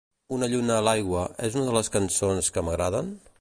"Una lluna l'aigua" és una de les cançons que m'agraden?